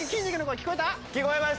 聞こえます。